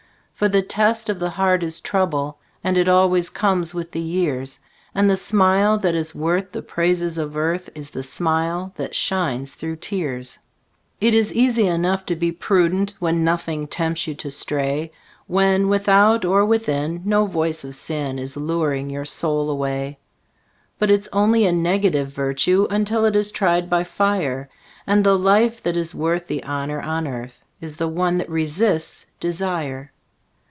For the test of the heart is trouble, And it always comes with the years, And the smile that is worth the praises of earth Is the smile that shines through tears. It is easy enough to be prudent When nothing tempts you to stray, When without or within no voice of sin Is luring your soul away; But it's only a negative virtue Until it is tried by fire, And the life that is worth the honour on earth Is the one that resists desire.